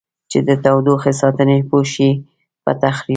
چې د تودوخې ساتنې پوښ یې په تخریبي